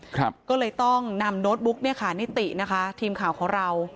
ก็เลยต้องนำโน้ตบุ๊กเนี่ยค่ะนิตินะคะทีมข่าวของเรา